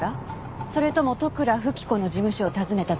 それとも利倉富貴子の事務所を訪ねた時から？